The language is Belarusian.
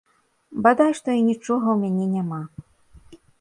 Бадай што і нічога ў мяне няма.